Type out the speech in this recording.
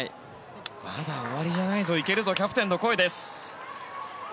まだ終わりじゃないぞ行けるぞとキャプテンの声です。